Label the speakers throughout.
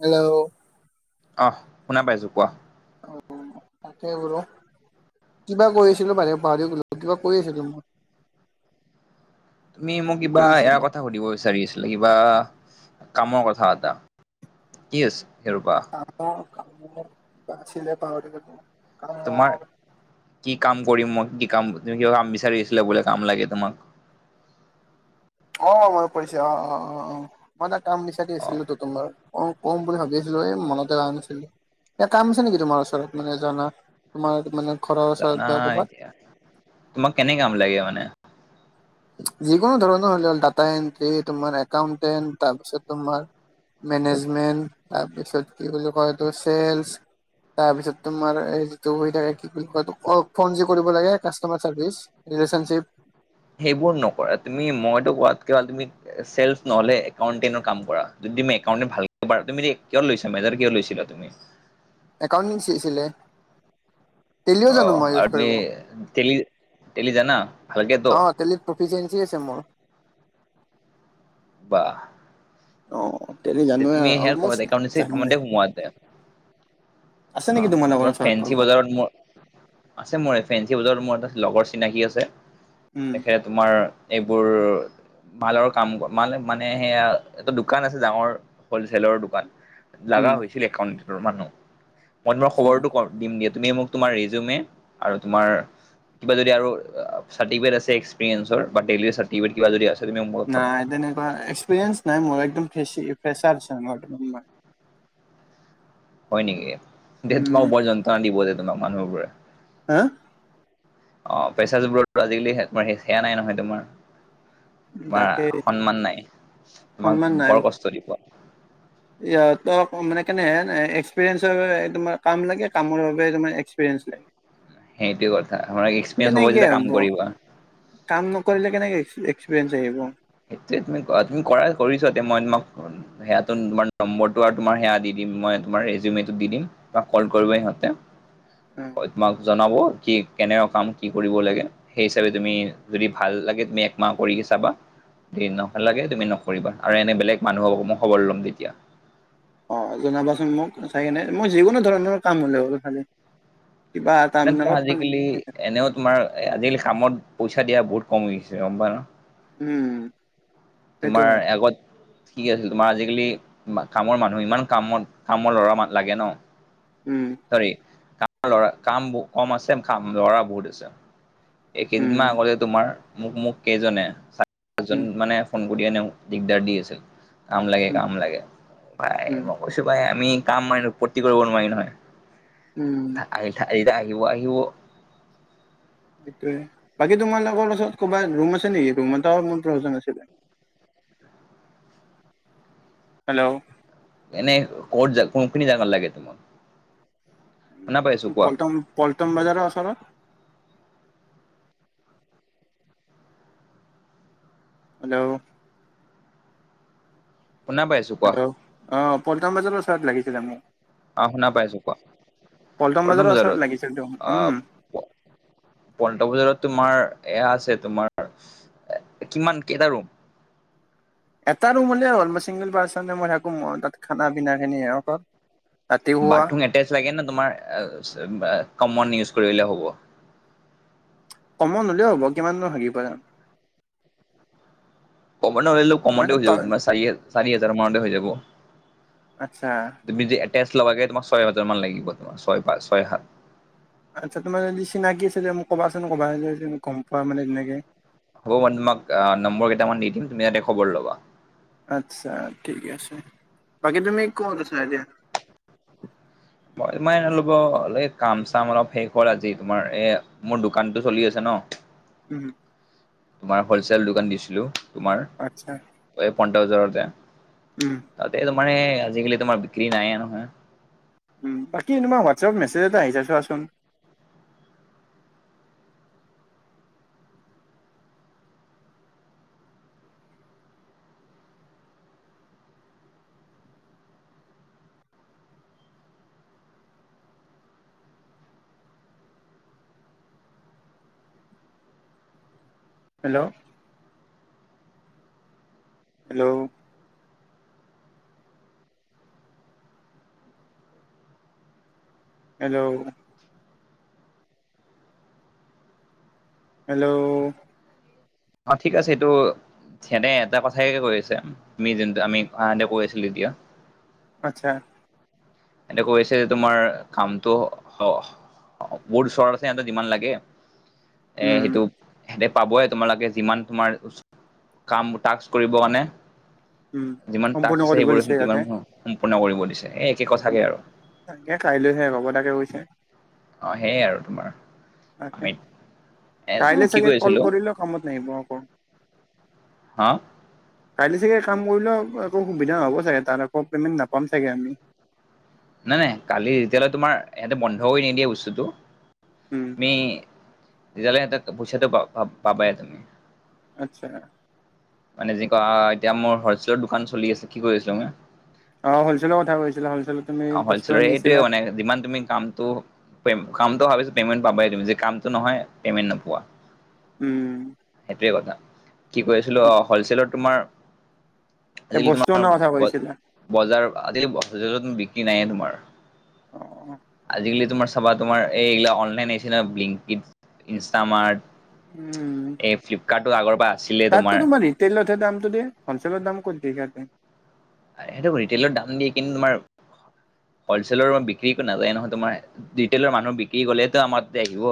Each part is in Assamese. Speaker 1: হেল্ল'!
Speaker 2: অহ শুনা পাইছোঁ। কোৱা?
Speaker 1: অ তাকে বোলো কিবা কৰি আছিলো বাহিৰৰে পাহৰি গলো কিবা কৈ আছিলো মই
Speaker 2: তুমি মোক
Speaker 1: কি
Speaker 2: কিবা
Speaker 1: কৰি আছিলো
Speaker 2: এয়াৰ কথা সুধিব বিচাৰি আছিলা। কিবা কামৰ কথা এটা কি আছিল ৰবা।
Speaker 1: কামৰ কথা কি বা আছিলে পাহৰি গলো।
Speaker 2: তোমাৰ
Speaker 1: কামৰ
Speaker 2: কি কাম কৰিম মই কি কাম তুমি কাম বিচাৰি আছিলা বোলে কাম লাগে তোমাক
Speaker 1: অঁ অঁ মনত পৰিছে অঁ অঁ অঁ অঁ মই এটা কাম বিচাৰি
Speaker 2: অ
Speaker 1: আছিলোতো তোমাৰ অ কম বুলি ভাবি আছিলো এই মনতে আহা নাহিছিলে। কিবা কাম আছে নেকি তোমাৰ ওচৰত মানে জনাত তোমাৰ মানে ঘৰৰ
Speaker 2: জানা
Speaker 1: ওচৰত বা ক'ৰবাত?
Speaker 2: এতিয়া তোমাক কেনে কাম লাগে মানে?
Speaker 1: যিকোনো ধৰণৰ হলে হল ডাটা এন্ট্ৰি তোমাৰ একাউন্টেট তাৰপিছত তোমাৰ মেনেজমেণ্ট তাৰপিছত কি বুলি কয় এইটো চেলচ। তাৰ পিছত তোমাৰ এই যিটো হৈ থাকে কি বুলি কয় অ ফন যে কৰিব লাগে কাষ্টমাৰ চাৰ্ভিচ। ৰিলেচনশিপ।
Speaker 2: সেইবোৰ নকৰা তুমি মইতো কোৱাতকে ভাল তুমি চেলচ নহলে একাউণ্টেৰ কাম কৰা যদি তুমি একাউণ্ট ভালকে পাৰা, তুমি কিহত লৈছা মেজাৰ কিহত লৈছিলা তুমি?
Speaker 1: একাউণ্টিং আছিলে। টেলিও জানো
Speaker 2: অ'
Speaker 1: মই ইউজ
Speaker 2: আৰু
Speaker 1: কৰিব
Speaker 2: টেলি টেলি জানা? ভালকেতো
Speaker 1: অঁ টেলিত প্ৰফিচিয়েঞ্চি আছে মোৰ।
Speaker 2: বাহ!
Speaker 1: অ তেলি
Speaker 2: তে
Speaker 1: জানোৱে
Speaker 2: তুমি হে ক'ৰবাত
Speaker 1: অলমষ্ট
Speaker 2: একাউণ্টেচি
Speaker 1: জানোৱে
Speaker 2: কামতে সোমোৱা তেন্তে।
Speaker 1: আছে নেকি
Speaker 2: অ'
Speaker 1: তোমালোকৰ
Speaker 2: তোমাৰ
Speaker 1: ওচৰত
Speaker 2: ফেঞ্চি
Speaker 1: কৰবাত
Speaker 2: বজাৰত মোৰ আছে মোৰ এই ফেঞ্চি বজাৰত মোৰ এটা লগৰ চিনাকী আছে,
Speaker 1: উম
Speaker 2: তেখেত তোমাৰ এইবোৰ মালৰ কাম মাল মানে সেয়া এটা দোকান আছে ডাঙৰ হলচেলৰ দোকান লগা
Speaker 1: উম
Speaker 2: হৈছিল একাউণ্টৰ মানুহ মই তোমাৰ
Speaker 1: আচ্ছা
Speaker 2: খবৰটো কম দিম দিয়া তুমি মোক তোমাৰ ৰিজিউমি আৰু তোমাৰ কিবা যদি আৰু চাৰ্টিফিকেট আছে এক্সপেৰেচনৰ বা টেলিৰে চাৰ্টিফিকেট কিবা যদি আছে। তুমি মোক পঠাবা।
Speaker 1: নাই তেনেকুৱা এক্সপিৰিয়েনচ নাই মোৰ একদম ফ্ৰেছাৰ হয় মানে মই।
Speaker 2: হয় নেকি দে
Speaker 1: উম
Speaker 2: তোমাক ওপৰত যন্ত্ৰণা দিব যে তোমাক মানুহ বোৰে।
Speaker 1: হা?
Speaker 2: অঁ ফ্ৰেছাৰ্ছ ওপৰত আজিকালি সেয়া নাই নহয় তোমাৰ। তোমাৰ
Speaker 1: তাকে
Speaker 2: সন্মান নাই তোমাক বৰ কষ্ট দিব।
Speaker 1: ইয়াতে মানে কেনেহেনে এক্সপিৰিয়েনচৰ তোমাৰ কাম লাগে কামৰ বাবে তোমাৰ এক্সপিৰিয়েনচ নাই। [inaudible]
Speaker 2: সেইটোৱে কথা, আমাৰ এক্সপিৰিয়েঞ্চ হ'ব যেতিয়া কাম কৰিব।
Speaker 1: কাম নকৰিলে কেনেকে এক্সপিৰিয়েঞ্চ আহিব?
Speaker 2: সেইটোয়ে তুমি তুমি কৰা কৰি চোৱা তেতিয়া মই তোমাক- সেয়া তোমাৰ নম্বৰটো আৰু তোমাৰ সেয়া দি দিম মই তোমাৰ ৰেজিমেনটো দি দিম। তোমাক কল কৰিব সিহঁতে। তোমাক জনাব কি- কেনেকা কাম, কি কৰিব লাগে, সেই হিচাপে তুমি যদি ভাল লাগে তুমি একমাহ কৰি চাবা। [unintelligible] তুমি নকৰিবা। আৰু এনে বেলেগ মানুহ মই খবৰ ল'ম তেতিয়া।
Speaker 1: অ' জনাবাচোন মোক চাই কিনে, মই যিকোনো ধৰণৰ কাম হলে হল খালি। কিবা
Speaker 2: এনে
Speaker 1: তাৰমানে
Speaker 2: তোমাৰ আজিকালি
Speaker 1: অলপ-
Speaker 2: এনেও তোমাৰ আজিকালি কামত পইচা দিয়া বহুত কমি গৈছে গম পোৱা ন!
Speaker 1: উম। সেইটো
Speaker 2: তোমাৰ
Speaker 1: হয়
Speaker 2: আগত- ঠিক আছিল, তোমাৰ আজিকালি কামৰ মানুহ ইমান কামত কামৰ ল'ৰা মানুহ লাগে ন'।
Speaker 1: উম।
Speaker 2: চৰি। কাম লৰা কাম কম আছে, কাম লৰা বহুত আছে। এই কেইদিন
Speaker 1: উম
Speaker 2: মান আগতে তোমাৰ মোক মোক কেইজনে চা-জন
Speaker 1: উম
Speaker 2: মানে, ফোন কৰি এনেও দিগদাৰ দি আছিল, কাম লাগে
Speaker 1: উম
Speaker 2: কাম লাগে। পাই
Speaker 1: উম
Speaker 2: মই কৈছো পাই আমি- কাম মানি পত্তি কৰিব নোৱাৰি নহয়।
Speaker 1: উম।
Speaker 2: আহি আহ আহিব আহিব। [unintelligible]
Speaker 1: সেইটোয়ে। বাকী তোমালোকৰ ওচৰত ক'বাত ৰুম আছে নেকি? ৰুম এটা মোৰ প্ৰয়োজন আছিলে। হেল্ল'
Speaker 2: এনেই ক'ত কোনখিনি জাগাত লাগে তুমাক?
Speaker 1: পল্টন পল্টন বজাৰৰ ওচৰত। হেল্ল'
Speaker 2: শুনা পাইছো। কোৱা
Speaker 1: হেল্ল' অ, পল্টন বজাৰৰ ওচৰত লাগিছিলে মোক।
Speaker 2: অ' শুনা পাইছো কোৱা,
Speaker 1: বজাৰৰ
Speaker 2: পল্টন
Speaker 1: ওচৰত লাগিছিলতো উম
Speaker 2: বজাৰত? অ'। পল্টন বজাৰত তোমাৰ এয়া আছে তোমাৰ। কিমান কেইটা ৰুম?
Speaker 1: এটা ৰুম হলেই হ'ল। মই চিংগল পাৰ্চনহে মই থাকো ম তাত খানা পিনা খিনি এনেকুৱা।
Speaker 2: বাথৰুম এটেচ লাগে নে তোমাৰ কমন ইউজ কৰিলে হ'ব?
Speaker 1: কমন হ'লেও হ'ব কিমাননো হাগিবা।
Speaker 2: কমন হলেনো কমতে
Speaker 1: মানে
Speaker 2: হৈ যাব
Speaker 1: তই
Speaker 2: তোমাৰ চাৰি চাৰি হাজাৰ মানতে হৈ যাব।
Speaker 1: আচ্ছা।
Speaker 2: তুমি যে এটেচ লবাগে তোমাক ছয় হাজাৰ মান লাগিব তোমাৰ ছয় পাচ ছয় সাত।
Speaker 1: আচ্ছা তোমাৰ যদি চিনাকি আছিলে মোক ক'বাচোন ক'বা [unintelligible] গম পোৱা মানে তেনেকে।
Speaker 2: হ'ব মই তোমাক নম্বৰ কেইটামান দি দিম, তুমি ইয়াতে খবৰ ল'বা।
Speaker 1: আচ্ছা ঠিক আছে। বাকী তুমি ক'ত আছা এতিয়া?
Speaker 2: মই তোমাৰ [unintelligible] এই কাম চাম অলপ শেষ হ'ল আজি তোমাৰ এ। মোৰ দোকানটো চলি আছে ন।
Speaker 1: উম।
Speaker 2: তোমাৰ হ'লচেল দোকান দিছিলোঁ তোমাৰ।
Speaker 1: আচ্ছা।
Speaker 2: এই পন্টাউজৰ যে,
Speaker 1: উম।
Speaker 2: তাতে তোমাৰ সে আজিকালি তোমাৰ বিক্ৰী নাইয়ে নহয়।
Speaker 1: উম বাকী তোমাৰ চব মেছেজ এটা আহিছে চোৱাচোন। হেল্ল'। হেল্ল'। হেল্ল'। হেল্ল'।
Speaker 2: অ' ঠিক আছে এইটো সিহঁতে এটা কথাইেে ক আছে আমি যোনটো আমি অহঁতে কৈ আছিলো এতিয়া।
Speaker 1: আচ্ছা
Speaker 2: এতে কৈ আছে যে তোমাৰ কামটো বহুত ওচৰত আছে সিহঁতৰ যিমান লাগে এ
Speaker 1: উম
Speaker 2: সেইটো সিহঁতে পাবই তোমালোকে যিমান তোমাৰ কাম টাস্ক কৰিব মানে
Speaker 1: উম
Speaker 2: যিমান টাস্ক
Speaker 1: সম্পূৰ্ণ
Speaker 2: আছে
Speaker 1: কৰিব দিছে
Speaker 2: সেইবোৰমান সম্পূৰ্ণ কৰিব দিছে এ
Speaker 1: তে কাইলৈহে ৰব তাকে কৈছে
Speaker 2: অ সেইয়াই আৰু তোমাৰ।
Speaker 1: তাকে
Speaker 2: আমি এ
Speaker 1: কাইলে
Speaker 2: কি
Speaker 1: চাগে
Speaker 2: কৈ
Speaker 1: কল
Speaker 2: আছিলো
Speaker 1: কৰিলে কামত নাহিব আকৌ।
Speaker 2: হা।
Speaker 1: কাইলৈ চাগে কাম কৰিলেও একো সুবিধা নহ'ব চাগে তাত আকৌ পে'মেণ্ট নাপাম চাগে আমি।
Speaker 2: নাই নাই কালি যেতিয়ালৈ তোমাৰ ইহঁতে বন্ধ কৰি নিদিয়ে বস্তুটো।
Speaker 1: উম।
Speaker 2: ম তেজালটা ভুচাতো পাবা এ তমি।
Speaker 1: আচ্ছা
Speaker 2: মানে যি কয় এতিয়া মোৰ হলচেলৰ দোকান চলি আছে কি কৰি আছিলো ম
Speaker 1: অ হলচেলৰ কথা কৈছিলা হলচেলত তুমি
Speaker 2: অ
Speaker 1: বস্তু
Speaker 2: হৈছিল
Speaker 1: আনিছিলা
Speaker 2: এইটোোৱে মানে যিমান তুমি কামটো কামটো ভাবিছো পেমেণ্ পাব তুমি যে কামটো নহয় পেমেণ্ট নোপোৱা।
Speaker 1: উম
Speaker 2: সেইটোৱে কথা কি কৈছিলো আহ হলচেলত তোমাৰ
Speaker 1: এ
Speaker 2: আজিকালি
Speaker 1: বস্তু
Speaker 2: তোমাৰ
Speaker 1: অনাৰ কথা কৈছিলা
Speaker 2: বজাৰ আজিকালি বজাৰ বিক্ৰী নাইএ তোমাৰ।
Speaker 1: অ অ
Speaker 2: আজিকালি তোমাৰ চাবা তোমাৰ এইিলা অনলাইন আহিছে ন ব্লী ইনষ্টামাৰ্ট
Speaker 1: উম
Speaker 2: এই ফ্লিপকাৰ্টটো আগৰ পৰা।
Speaker 1: তাততো তোমাৰ ৰিটেইলতহে দামটো দে হ'লচেলৰ দাম ক'ত দিয় সেয়াতে?
Speaker 2: সেইটো ৰিটেইলৰ দাম দিয়ে কিন্তু তোমাৰ হ'লচলৰ বিক্ৰী নাযায় নহয় তোমাৰ ৰিটেইলৰ মানুহ বিক্ৰী গলেতো আমাৰ আহিব।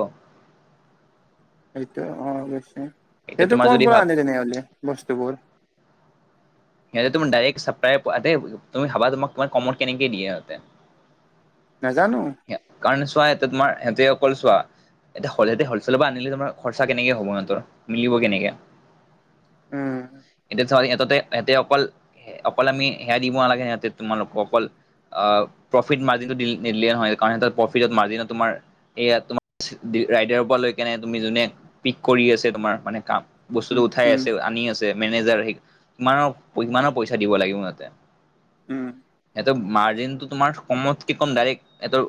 Speaker 1: সেইটো অ অৱশয়
Speaker 2: এতিয়া
Speaker 1: সেইহটো
Speaker 2: তোমাৰ
Speaker 1: ক
Speaker 2: যদি
Speaker 1: পৰা
Speaker 2: ভাব
Speaker 1: আনে তেনেহ'লে বস্তু বোৰ?
Speaker 2: সিহঁতে তোমাইৰেক্াপাই তুমিাবা তোম তোমাৰ কমত কেনেক দিয়েহঁতে?
Speaker 1: নাজানো।
Speaker 2: কাৰণ ছোৱা এতিয়া তোমাৰ এতিয়া অকল ছোৱা এ হলচেলৰ পৰা আনিলে তোমাৰ খৰচা কেনেকে হব সিহতৰ মিলিব কেনেকে?
Speaker 1: উম
Speaker 2: এতিয়া চ ইহতে এতে অকল অকল আমি সেয়া দিব নালাগে সিহঁতে তোমালোকক অকল প্ৰফিট মাৰ্জিনটো নিিলে নহয় কাৰণ সঁত প্ৰফিটত মাৰ্জিনত তোমাৰ এয়া তোমাৰ ৰাইডাৰৰ পৰা লৈক নাই তুমি যোনে পিক কৰি আছে তোমাৰ মানে কাম।
Speaker 1: উম
Speaker 2: বস্তুটো উঠাই
Speaker 1: উম
Speaker 2: আছে আনি আছে মেনেজাৰ স কিৰ সমানৰ পইচা দিব লাগিব সিহঁতে।
Speaker 1: উম
Speaker 2: সিহঁতৰ মাৰ্জিনটো তোমাৰ সমতক ক ডাইৰেক্ট এইটো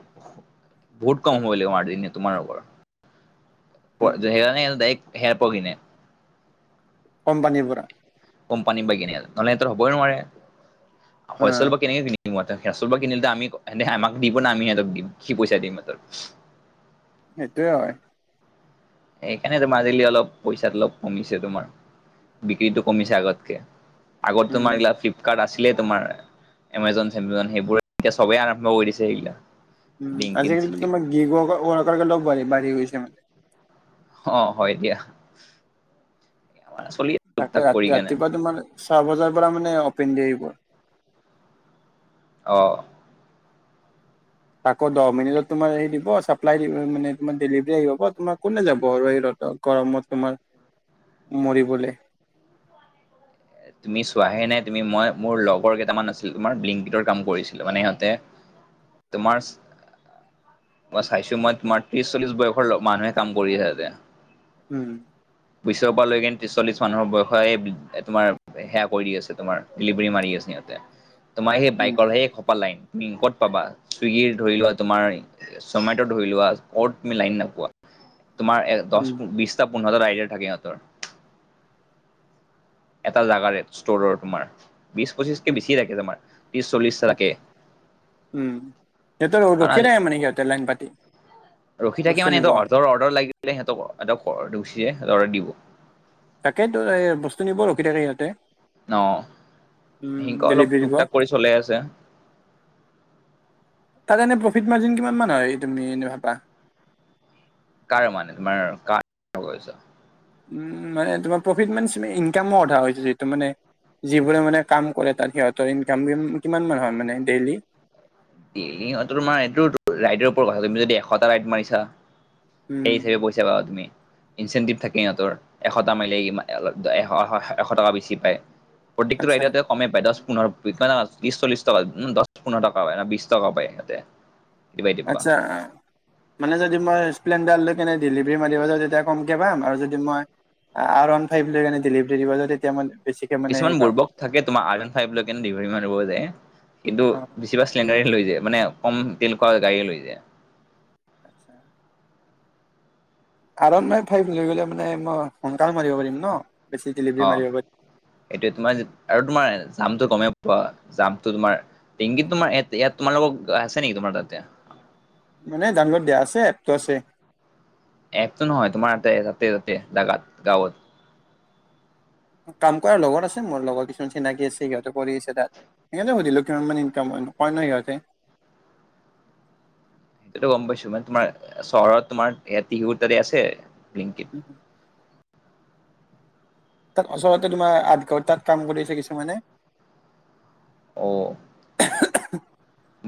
Speaker 2: বহুত কম হব লাগ মাৰ্জিন তোমাৰ
Speaker 1: উম
Speaker 2: ওপৰত হে ন ডৰে হেৰ পগি নে
Speaker 1: কোম্পানী পৰা
Speaker 2: কোম্পানী বা কনে নহলে সহঁত হ'বই নোৱাৰে
Speaker 1: অ
Speaker 2: হলেল বা কেনেকে চলৰ কিনিলো আমিহে আমাক দিব ন আমি সিহঁতক দি কি পইচা দিম সিহঁতক।
Speaker 1: সেইটোয়ে হয়।
Speaker 2: সেইকাৰণে তোমাৰ আজালি অলপ পইচাত অলপ কমিছে তোমাৰ বিক্ৰীতো কমিছে আগতকে। আগৰ
Speaker 1: উম
Speaker 2: তোমাৰ ফ্লিপকাৰ্ট আছিল। তোমাৰ এমাজম সেইবোৰে এতিয়া চবেই আৰম্ভ কৰি দিছে সেইগিলা
Speaker 1: উম
Speaker 2: লিংকিত
Speaker 1: আজিকালিতো
Speaker 2: চিংকিত
Speaker 1: তোমাৰ গ গে লগ বাঢ়িঢ়ি গৈছে মানে।
Speaker 2: অ হয় দিয়া। হয়
Speaker 1: তাকে ৰাতি ৰাতিপুৱা তোমাৰ চাহ বজাৰ পৰা মানে অপেন দি আহিব।
Speaker 2: অঁ
Speaker 1: তাকৌ দহ মিনিটত তোমাৰ হেৰি দিব চাপ্লাই দিব মানে তোমাৰ ডেলিভাৰী দিব তোমাৰ কোনে যাব আৰু এই ৰদত। গমত তোমাৰ, মৰিবলৈ।
Speaker 2: তুমি চোৱাহে নাই তুমি মই মোৰ লগৰ কেইটামান আছিল তোমাৰ বলি্্কীতৰ কাম কৰিছিল মানে সিহঁতে। তোমাৰ চৰ। মই চাইছো মই তোমাৰ ত্ৰিশ চল্লিছ বয়সৰ মানুহে কাম কৰিএ আছে।
Speaker 1: উম।
Speaker 2: বিচৰ পৰা লৈকে ত্ৰিশ চল্লিশ মানুহৰ বয়সৰ এতোমাৰ। সেয়া কৰি আছে তোমাৰ ডেলিভাৰী মাৰি আছে সিহঁতে তোমাৰ সেই
Speaker 1: উম।
Speaker 2: বাইকৰ সে লাইটিং তুমি ক'ত পাবা চুইগিৰ ধৰি লোৱা তোমাৰ চমেটটো ধৰি লোৱা ক'ত মি লাইন নাপোৱা। তোমাৰ
Speaker 1: উম
Speaker 2: দহ বিশটা পোন্ধৰটা আইডা থাকে সিহঁতৰ। এটা জাগাৰে ষ্টৰৰ তোমাৰ বিশ পঁচিছ কে
Speaker 1: উম
Speaker 2: বেছি ৰাখে তোমাৰ। ত্ৰিশ চল্লিশটা থাকে
Speaker 1: উম সিহঁতৰ
Speaker 2: কাৰণ
Speaker 1: ৰখি নাই মানে সিহঁতে লাইন পাতি।
Speaker 2: ৰখি থাকে
Speaker 1: বস্তু
Speaker 2: মানে
Speaker 1: নিব
Speaker 2: সিহতৰ ওপৰৰ অৰদাৰ লাগিলে সিহঁত সঁতৰ্ দিব।
Speaker 1: তাকেইেতো এই বস্তু নিব ৰখি থাকে ইয়াতে।
Speaker 2: ন সেনেকৈ অলপ
Speaker 1: ডেলিভাৰী
Speaker 2: টুক
Speaker 1: দিব।
Speaker 2: টাক কৰি চলাই আছে।
Speaker 1: তাৰ কাৰণে প্ৰফিট মাৰ্জিন কিমান মান হয় তুমি এনেই ভাবা।
Speaker 2: কাৰ মানে তোমাৰ গা ধুব গৈছোঁ।
Speaker 1: উম মানে তোমাৰ প্ৰফিট মানে ইনকামৰ অধা হৈছে যিটো মানে। যিবোৰে মানে কাম কৰে তাত সিহঁতৰ ইনকাম কিমান মান হয় মানে ডেইলি?
Speaker 2: হঁত তোমাৰ এইটো ৰাইডৰ ওপৰত কথা তুমি যদি এশটা ৰাইড মাৰিছা
Speaker 1: উম,
Speaker 2: সেই হিচাপো। জবাব তুমি। ইনচেণ্টিভ থাকে ইহঁতৰ এশটা মাৰিলে ই এশ টকা বেছি পায়। প্ৰত্যকটো
Speaker 1: আচ্ছা,
Speaker 2: ৰাইদতে কমে পায় দহ পোন্ধৰছত্ৰিচ চল্লি কা দহ পোন্ধৰ টকা হয় বিশ। চাব পায় ইহঁতে।
Speaker 1: আচ্ছা আহে। মানে যদি মই স্প্লেণ্ডাৰ লৈ কেনে ডেলিভাৰী মাৰিব যওঁ তেতিয়া কমকে পাম আৰু যদি মই আৰু আন ঠাইত যেতিয়া ডেলিভাৰী দিব যা তেতি মই বেছিকে মানে
Speaker 2: কিছুমান
Speaker 1: হেৰি পাম।
Speaker 2: বুৰ্বক থাকে তোমাৰ আৰএন ফাইভভাৰ তাতে দেলিভাৰি মানুহ বোৰ যায় কিন্তু
Speaker 1: অ,
Speaker 2: বেছিভাগ টেন্টৰে লৈ যায় মানে কম তেনেকুৱা গাড়ীয়েই লৈ যায়।
Speaker 1: আতচ্ছা আৰন মই ফাইভ লৈ গ'লে মানে মই সোনকাল মাৰিব পাৰি ন বেছি ডেলিভেৰী মাৰিব পাৰিম।
Speaker 2: এইটো তোমাৰ যে আৰু তোমাৰ জামটো গমেই পোৱা জামটো তোমাৰ। তিংগীত তোমাৰ ইয়াত ইয়াত তোমাৰলগত আছে নেকি তোমাৰ তাতে
Speaker 1: মানে ডাওনলত দিয়া আছে এপটো আছে।
Speaker 2: এপতো নহয় তোমাৰ তাতে তাতে তাতে দাগাত গাঁৱত।
Speaker 1: কাম কৰাৰ লগত আছে মোৰ লগৰ কিছুমান চিনাকি আছে সিহঁতে কৰি আছে তাত। হেকানে টো সুধিলো কিমান মান ইনকাম হয়, নকয় নহয় সিহঁতে।
Speaker 2: এটো গম পাইছো মানে তোমাৰ চহৰত তোমাৰ এতি ৰোধ তাতে আছে, ব্লিংকিত
Speaker 1: উ উ তাত অচলতে তোমাৰ আঠ ঘণ্টাত কাম কৰি আছে কিছুমানে।
Speaker 2: অ
Speaker 1: [unintelligible]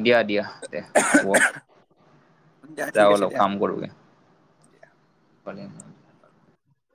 Speaker 2: দিয়া দিয়া দেহ হ'ব।
Speaker 1: দিয়া
Speaker 2: যাও
Speaker 1: ঠিক আছে
Speaker 2: অলপ
Speaker 1: দিয়া।
Speaker 2: কাম কৰোঁগে। পানী অনা।